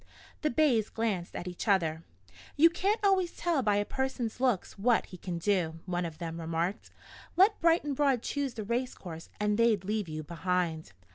The bays glanced at each other. "You can't always tell by a person's looks what he can do," one of them remarked. "Let Bright and Broad choose the race course and they'd leave you behind."